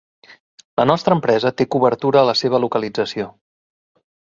La nostra empresa té cobertura a la seva localització.